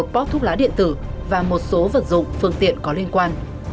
một mươi một pop thuốc lá điện tử và một số vật dụng phương tiện có liên quan